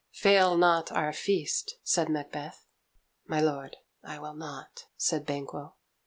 "Fail not our feast," said Macbeth. "My lord, I will not," said Banquo.